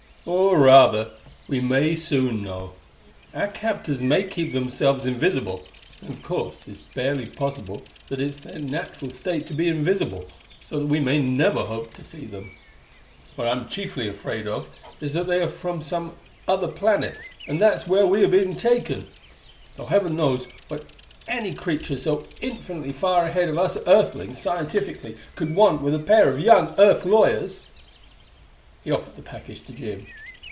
"Or, rather, we may soon know. Our captors may keep themselves invisible; and of course it's barely possible that it's their natural state to be invisible, so that we may never hope to see them. What I'm chiefly afraid of, is that they are from some other planet, and that that's where we are being taken though heaven knows what any creatures so infinitely far ahead of us Earthlings scientifically could want with a pair of young Earth lawyers!" He offered the package to Jim.